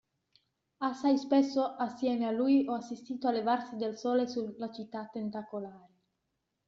Assai spesso assieme a lui ho assistito al levarsi del sole sulla città tentacolare.